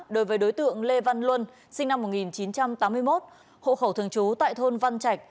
đối với đối tượng lê văn luân sinh năm một nghìn chín trăm tám mươi một hộ khẩu thường trú tại thôn văn trạch